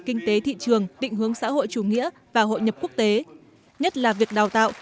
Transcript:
kinh tế thị trường định hướng xã hội chủ nghĩa và hội nhập quốc tế nhất là việc đào tạo